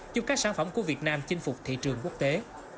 giúp các sản phẩm của việt nam chinh phục thị trường quốc tế